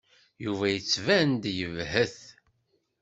Yuba yettban-d yebhet.